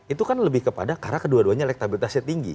itu kan lebih kepada karena kedua duanya elektabilitasnya tinggi